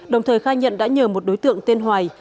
đồng thời khai nhận đã nhờ một đối tượng tên hoài